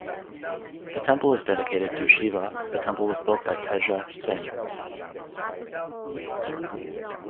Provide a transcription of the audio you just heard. The temple is dedicated to Shiva The temple was built by Teja Singh.